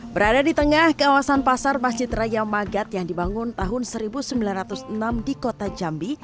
berada di tengah kawasan pasar masjid raya magat yang dibangun tahun seribu sembilan ratus enam di kota jambi